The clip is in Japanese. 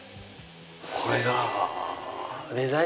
これが。